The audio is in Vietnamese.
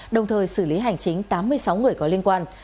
đồng thời xử lý hành chính tám mươi sáu người có liên quan